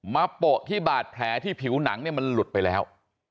โปะที่บาดแผลที่ผิวหนังเนี่ยมันหลุดไปแล้ว